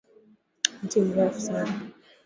Mti mrefu sana